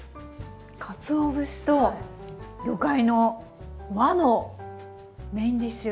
かつお節と魚介の和のメインディッシュ。